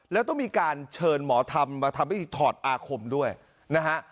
แล้วต้องมีการเชิญหมอธรรมมาทำพิธีถอดอาคมด้วยนะฮะ